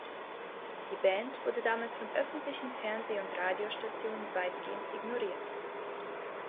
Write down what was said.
Die Band wurde damals von öffentlichen Fernseh- und Radiostationen weitgehend ignoriert.